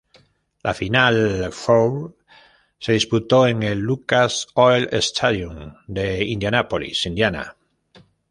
La Final Four se disputó en el Lucas Oil Stadium de Indianapolis, Indiana.